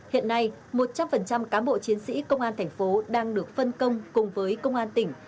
hiện nay một trăm linh cán bộ chiến sĩ công an thành phố đang được phân công cùng với công an tỉnh